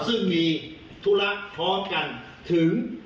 ซึ่งมีธุระพร้อมกันถึง